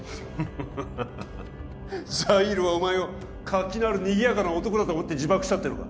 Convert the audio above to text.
ハハハハハザイールはお前を活気のあるにぎやかな男だと思って自爆したっていうのか？